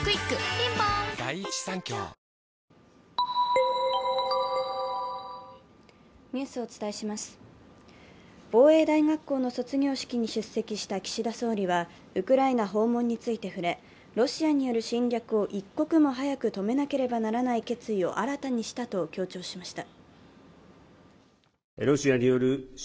ピンポーン防衛大学校の卒業式に出席した岸田総理はウクライナ訪問について触れ、ロシアによる侵略を一刻も早く止めなければならない決意を新たにしたと強調しました。